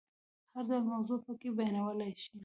هر ډول موضوع پکې بیانولای شي.